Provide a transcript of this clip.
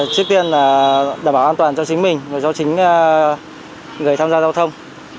trước tiên là đảm bảo an toàn cho chính mình và cho chính người tham gia giao thông